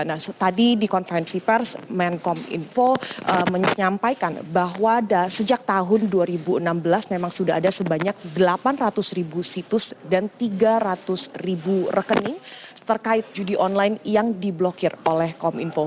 nah tadi di konferensi pers menkom info menyampaikan bahwa sejak tahun dua ribu enam belas memang sudah ada sebanyak delapan ratus ribu situs dan tiga ratus ribu rekening terkait judi online yang diblokir oleh kominfo